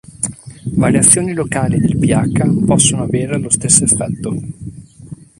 Variazioni locali del pH possono avere lo stesso effetto.